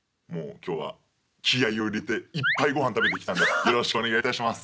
今日は気合いを入れていっぱいご飯食べてきたんでよろしくお願いいたします！